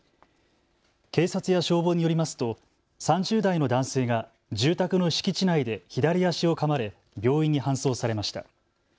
警察や消防によりますと３０代の男性が住宅の敷地内で左足をかまれ病院に搬送されました。